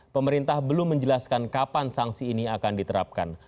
pemerintah belum menjelaskan kapan sanksi ini akan diterapkan